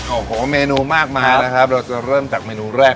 โอ้โหเมนูมากมายนะครับเราจะเริ่มจากเมนูแรก